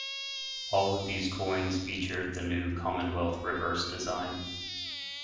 All of these coins featured the new Commonwealth reverse design.